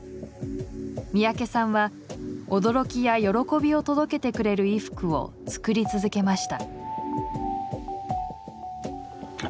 三宅さんは驚きや歓びを届けてくれる衣服を作り続けました。